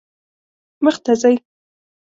مخ ته ځئ